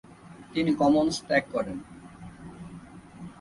তিনি কমন্স ত্যাগ করেন।